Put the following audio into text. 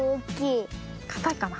かたいかな？